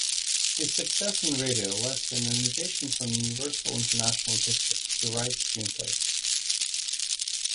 His success in radio led to an invitation from Universal-International Pictures to write screenplays.